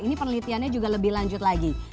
ini penelitiannya juga lebih lanjut lagi